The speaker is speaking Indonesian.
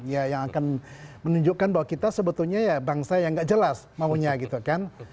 ya yang akan menunjukkan bahwa kita sebetulnya ya bangsa yang gak jelas maunya gitu kan